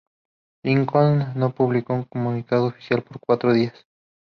Lincoln no publicó un comunicado oficial por cuatro días.